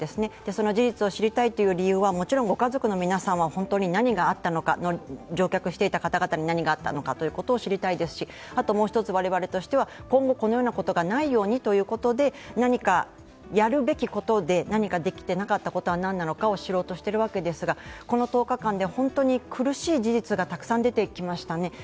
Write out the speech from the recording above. その事実を知りたいという理由は、もちろんご家族の皆さんは本当に何があったのか、乗客の方々に何があったのかを知りたいですしあともう１つ、我々としては、今後、このようなことがないようにということで何かやるべきことでできていなかったことは何なのかを知ろうとしているんですが、この１０日間で、苦しい事実がたくさん出てきましたね。